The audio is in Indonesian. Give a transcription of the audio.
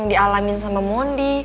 dialamin sama mondi